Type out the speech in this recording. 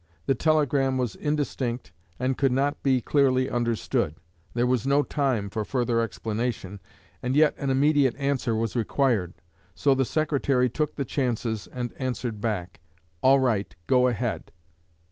The telegram was indistinct, and could not be clearly understood; there was no time for further explanation, and yet an immediate answer was required; so the Secretary took the chances and answered back, 'All right; go ahead.'